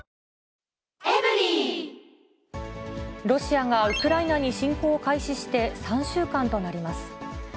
ロシアがウクライナに侵攻を開始して３週間となります。